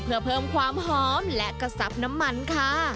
เพื่อเพิ่มความหอมและกระซับน้ำมันค่ะ